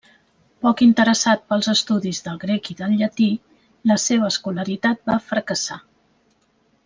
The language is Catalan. Poc interessat pels estudis del grec i del llatí, la seva escolaritat va fracassar.